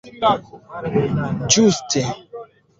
Ĝuste.